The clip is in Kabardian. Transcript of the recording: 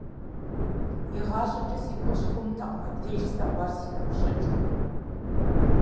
ИгъащӀэкӀэ си фӀэщ хъунтэкъым абдеж слъэгъуар си нэгу щӀэкӀыу.